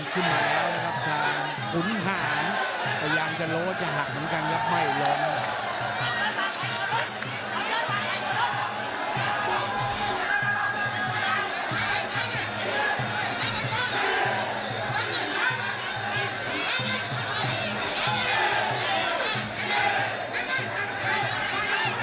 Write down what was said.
คุณห่างทางขุมห่างไปยังจะโลทหักเหมือนกันน่ะไม่ล้ม